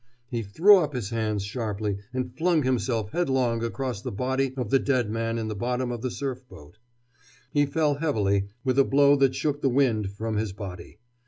He threw up his hands, sharply, and flung himself headlong across the body of the dead man in the bottom of the surf boat. He fell heavily, with a blow that shook the wind from his body.